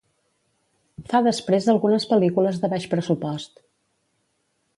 Fa després algunes pel·lícules de baix pressupost.